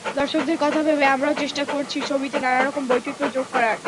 দর্শকদের কথা ভেবে আমরাও চেষ্টা করছি ছবিতে নানারকম বৈচিত্র্য যোগ করার।